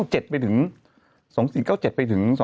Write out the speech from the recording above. หรือเก้าเจ็ดไปถึง